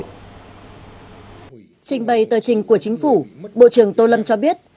trình bày tờ trình của chính phủ bộ trưởng tô lâm cho biết